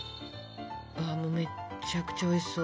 めっちゃくちゃおいしそう。